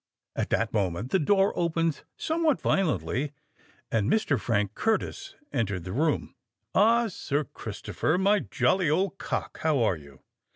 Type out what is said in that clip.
At that moment the door opened somewhat violently; and Mr. Frank Curtis entered the room. "Ah! Sir Christopher, my jolly old cock—how are you?"